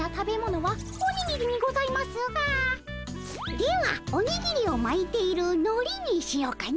では「おにぎりをまいているのり」にしようかの。